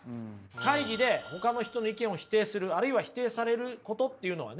会議でほかの人の意見を否定するあるいは否定されることっていうのはね